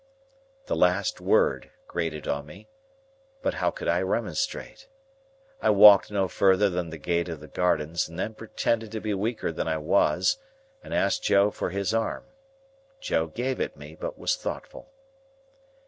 The last word grated on me; but how could I remonstrate! I walked no further than the gate of the gardens, and then pretended to be weaker than I was, and asked Joe for his arm. Joe gave it me, but was thoughtful.